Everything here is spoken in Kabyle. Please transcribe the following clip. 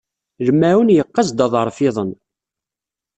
Lmaɛun yeqqaz-d aḍref-iḍen.